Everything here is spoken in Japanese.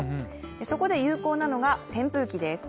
そこで有効なのが扇風機です。